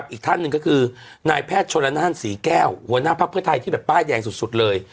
อีกท่านหนึ่งก็คือนายแพทย์ชนละนานศรีแก้วหัวหน้าภักดิ์เพื่อไทยที่แบบป้ายแดงสุดเลย